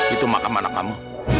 itu makam anak kamu